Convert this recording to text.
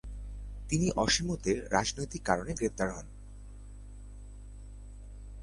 তিনি অসিমোতে রাজনৈতিক কারণে গ্রেফতার হন।